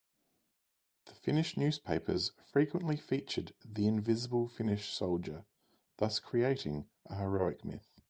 The Finnish newspapers frequently featured the invisible Finnish soldier, thus creating a heroic myth.